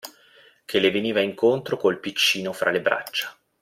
Che le veniva incontro col piccino fra le braccia.